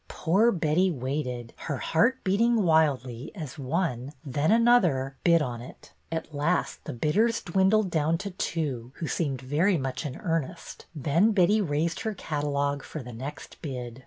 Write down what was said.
Poor Betty waited, her heart beating wildly as one, then another, bid on it. At last the bid ders dwindled down to two, who seemed very much in earnest, then Betty raised her catalogue for the next bid.